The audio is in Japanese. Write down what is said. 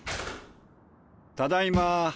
ただいま。